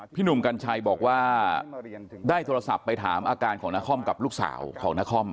หนุ่มกัญชัยบอกว่าได้โทรศัพท์ไปถามอาการของนครกับลูกสาวของนคร